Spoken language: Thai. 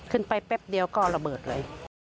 ขึ้นไปแป๊บเดียวก็ระเบิดเลย